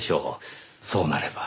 そうなれば。